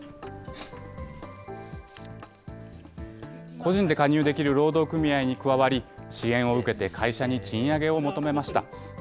個人で加入できる労働組合に加わり、支援を受けて会社に賃上げを求めました。